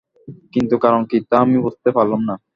কিন্তু কারণ কী তা আমি বুঝতে পারলাম না।